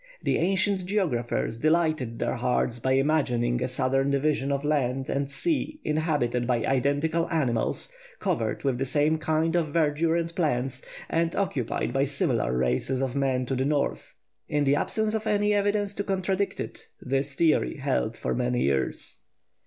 The ancient geographers delighted their hearts by imagining a southern division of land and sea inhabited by identical animals, covered with the same kind of verdure and plants, and occupied by similar races of men to the North. In the absence of any evidence to contradict it, this theory held for many years.